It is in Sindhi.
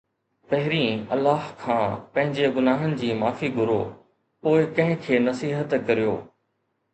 پهرين الله کان پنهنجي گناهن جي معافي گهرو، پوءِ ڪنهن کي نصيحت ڪريو